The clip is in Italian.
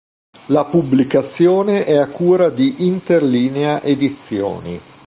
La pubblicazione è a cura di Interlinea edizioni.